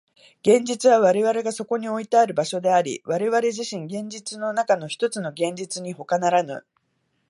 現実は我々がそこにおいてある場所であり、我々自身、現実の中のひとつの現実にほかならぬ。